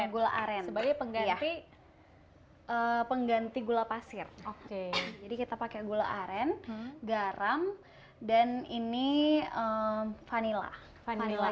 gula aren sebagai pengganti pengganti gula pasir oke jadi kita pakai gula aren garam dan ini vanila vanila